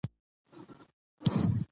د هیواد سرحدونه په ښه توګه ساتل کیږي.